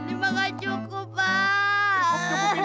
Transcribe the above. itulah yang cukup pak